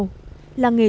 làng nghề chuyên nghiệp